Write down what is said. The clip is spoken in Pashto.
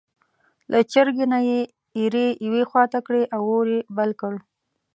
له چرګۍ نه یې ایرې یوې خوا ته کړې او اور یې بل کړ.